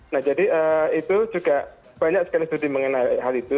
nah jadi itu juga banyak sekali studi mengenai hal itu